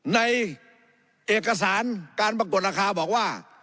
ในเอกสารการปรากฏราคาบอกว่า